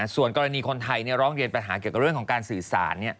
ส่วนกรณีคนไทยร้องเรียนปัญหาเกี่ยวกับเรื่องของการสื่อสาร